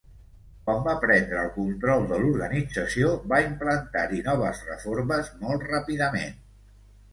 Quan va prendre el control de l'organització, va implantar-hi noves reformes molt ràpidament.